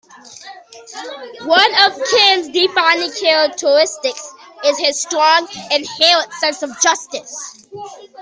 One of Kim's defining characteristics is his strong, inherent sense of justice.